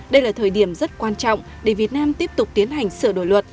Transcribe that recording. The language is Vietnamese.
đây là thời điểm rất quan trọng để việt nam tiếp tục tiến hành sửa đổi luật